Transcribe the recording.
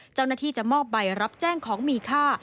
เจ้าหน้าที่จะมอบใบรับแจ้งของมีค่า